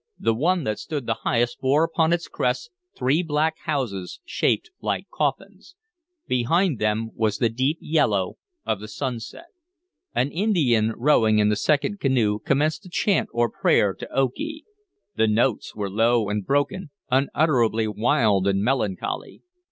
The one that stood the highest bore upon its crest three black houses shaped like coffins. Behind them was the deep yellow of the sunset. An Indian rowing in the second canoe commenced a chant or prayer to Okee. The notes were low and broken, unutterably wild and melancholy.